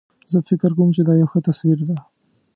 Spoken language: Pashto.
زه فکر کوم چې دا یو ښه تصویر ده